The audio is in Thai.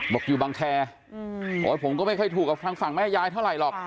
บอกอยู่บังแคผมก็ไม่ค่อยถูกกับทางฝั่งแม่ยายเท่าไหร่